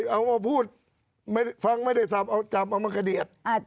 เอามาพูดฟังไม่ได้จำเอามากระเดียด